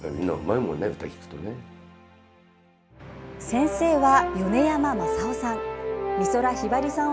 先生は、米山正夫さん。